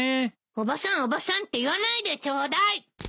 おばさんおばさんって言わないでちょうだい！